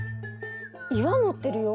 岩のってるよ。